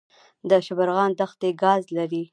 د شبرغان دښتې ګاز لري